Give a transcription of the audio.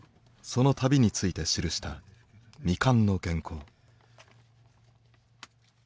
その旅について記した未完の原稿。